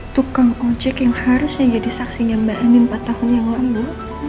tukang ojek yang harusnya jadi saksinya mba ani empat tahun yang lama